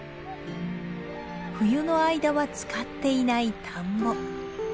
冬の間は使っていない田んぼ。